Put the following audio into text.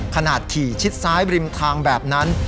ขนาดขี่ชิดซ้ายบริมทางแบบนั้น